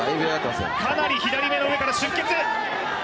かなり左目の上から出血。